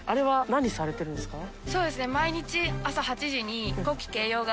そうですね餅田）